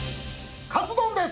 カツ丼です！